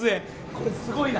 これすごいな。